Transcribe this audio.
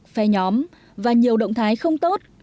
phe nhóm và nhiều động thái không tốt